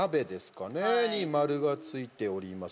鍋に丸がついております。